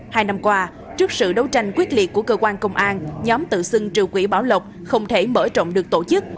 hai năm qua trước sự đấu tranh quyết liệt của cơ quan công an nhóm tự xưng trưởng quỹ bảo lộc không thể mở rộng được tổ chức